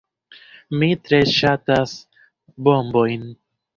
Mi tre ŝatas bombojn.